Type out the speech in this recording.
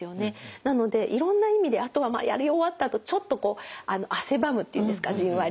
なのでいろんな意味であとはまあやり終わったあとちょっとこう汗ばむっていうんですかじんわり。